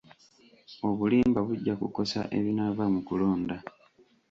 Obulimba bujja kukosa ebinaava mu kulonda.